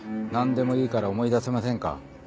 何でもいいから思い出せませんか？